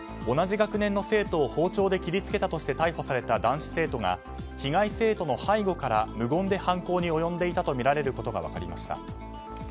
同じ学年の生徒を包丁で切り付けたとして逮捕された男子生徒が被害生徒の背後から無言で犯行に及んでいたとみられることが分かりました。